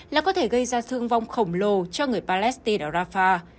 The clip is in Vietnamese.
là có thể gây ra thương vong khổng lồ cho người palestine ở rafah